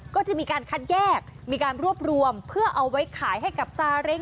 ก็จะมีการคัดแยกมีการรวบรวมเพื่อเอาไว้ขายให้กับซาเร็ง